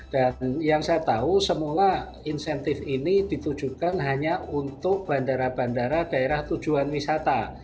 dan yang saya tahu semula insentif ini ditujukan hanya untuk bandara bandara daerah tujuan wisata